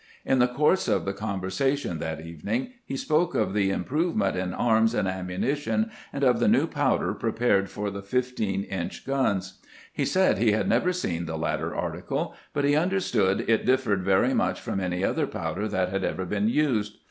In the course of the con SOME ANECDOTES BY LINCOLN 221 versation that evening he spoke of the improvement in arms and ammunition, and of the new powder prepared for the fifteen inch guns. He said he had never seen the latter article, but he understood it differed very much from any other powder that had ever been used.